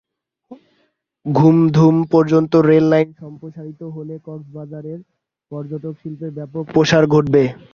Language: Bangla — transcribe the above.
ঘুমধুম পর্যন্ত রেল লাইন সম্প্রসারিত হলে কক্সবাজারের পর্যটনশিল্পের ব্যাপক প্রসার ঘটবে।